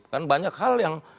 kan banyak hal yang